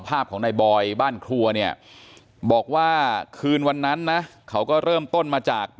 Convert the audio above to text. ไปทำแผนจุดเริ่มต้นที่เข้ามาที่บ่อนที่พระราม๓ซอย๖๖เลยนะครับทุกผู้ชมครับ